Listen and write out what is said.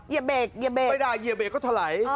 เยียดเบคเยียดเบคไม่ได้เยียดเบคก็ทะไหล